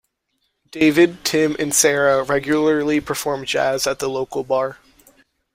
David, Tim and Sarah regularly perform jazz at the local bar.